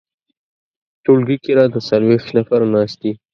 ټولګي کې راته څلویښت نفر ناست دي.